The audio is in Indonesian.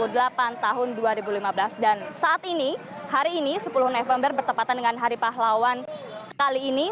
dan saat ini hari ini sepuluh november bertepatan dengan hari pahlawan kali ini